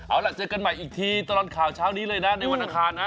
เอาล่ะเจอกันใหม่อีกทีตลอดข่าวเช้านี้เลยนะในวันอังคารนะ